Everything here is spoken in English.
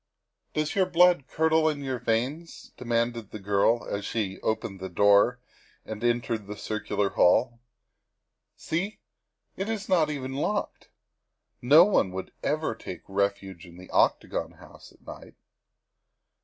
" Does your blood curdle in your veins?" demanded the girl as she pushed open the door and entered the circular hall. " See, it is not even locked. No one would ever take refuge in the Octagon House at night.